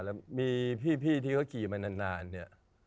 แล้วมีพี่ที่เขาขี่มานานเนี่ย